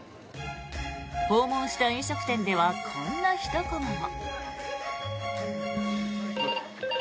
訪問した飲食店ではこんなひとコマも。